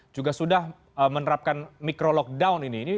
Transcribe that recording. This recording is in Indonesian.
juga sudah menerapkan micro lockdown ini